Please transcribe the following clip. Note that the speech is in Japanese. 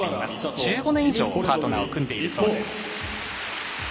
１５年以上パートナーを組んでいるそうです。